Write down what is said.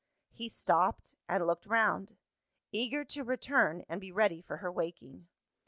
He stopped, and looked round; eager to return, and be ready for her waking.